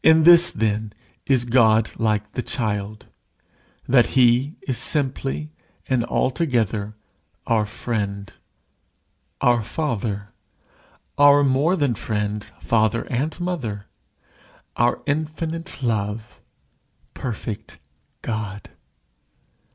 In this, then, is God like the child: that he is simply and altogether our friend, our father our more than friend, father, and mother our infinite love perfect God.